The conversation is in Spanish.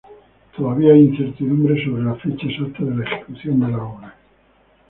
Todavía hay incertidumbre sobre la fecha exacta de la ejecución de la obra.